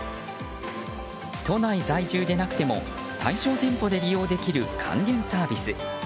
都内在住でなくても対象店舗で利用できる還元サービス。